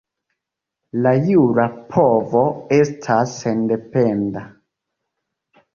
La jura povo estas sendependa.